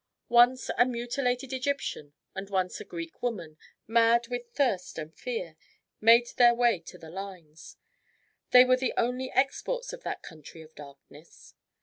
Once a mutilated Egyptian and once a Greek woman, mad with thirst and fear, made their way to the lines. They were the only exports of that country of darkness.